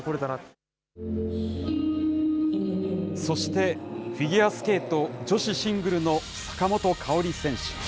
そして、フィギュアスケート女子シングルの坂本花織選手。